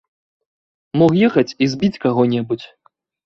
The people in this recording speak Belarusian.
Мог ехаць і збіць каго-небудзь.